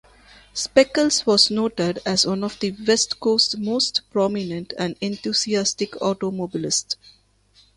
Speckels was noted as one of the West Coast's most prominent and enthusiastic automobilists.